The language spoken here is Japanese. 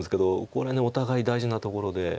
これお互い大事なところで。